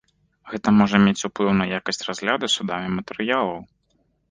Гэта можа мець уплыў на якасць разгляду судамі матэрыялаў.